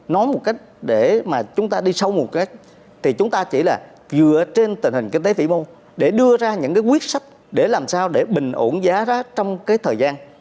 nói một cách để mà chúng ta đi sâu một cách thì chúng ta chỉ là dựa trên tình hình kinh tế vĩ mô để đưa ra những cái quyết sách để làm sao để bình ổn giá rác trong cái thời gian